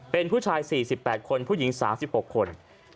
เป็นผู้ชาย๔๘คนผู้หญิง๓๖คน